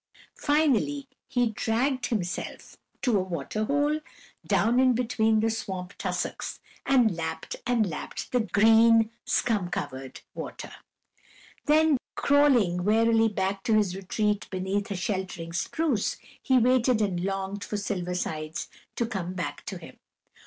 Finally he dragged himself to a water hole, down in between the swamp tussocks, and lapped and lapped the green, scum covered water. Then crawling wearily back to his retreat beneath a sheltering spruce, he waited and longed for Silver Sides to come back to him.